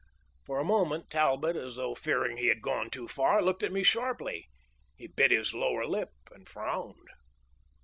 For a moment Talbot, as though fearing he had gone too far, looked at me sharply; he bit his lower lip and frowned.